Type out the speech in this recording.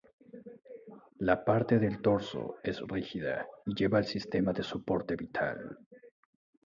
La parte del torso es rígida y lleva el sistema de soporte vital.